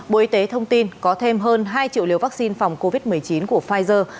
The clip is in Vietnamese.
bộ y tế thông tin có thêm hơn hai triệu liều vaccine phòng covid một mươi chín của pfizer